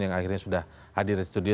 yang akhirnya sudah hadir di studio